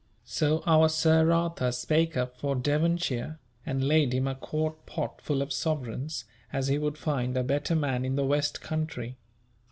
So our Sir Arthur spake up for Devonshire, and laid him a quart pot full of sovereigns as he would find a better man in the West country.